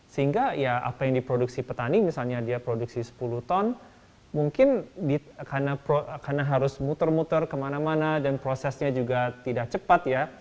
sehingga ya apa yang diproduksi petani misalnya dia produksi sepuluh ton mungkin karena harus muter muter kemana mana dan prosesnya juga tidak cepat ya